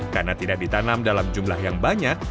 karena tidak ditanam dalam jumlah yang banyak